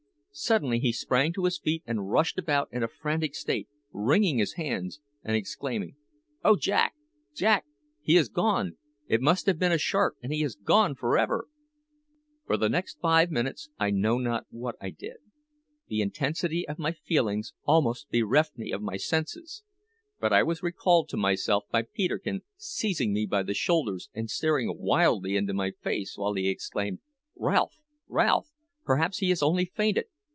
Suddenly he sprang to his feet and rushed about in a frantic state, wringing his hands, and exclaiming, "Oh Jack! Jack! He is gone! It must have been a shark, and he is gone for ever!" For the next five minutes I know not what I did; the intensity of my feelings almost bereft me of my senses. But I was recalled to myself by Peterkin seizing me by the shoulders and staring wildly into my face, while he exclaimed, "Ralph! Ralph! perhaps he has only fainted!